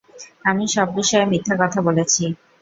আমি সব বিষয়ে মিথ্যা কথা বলেছি।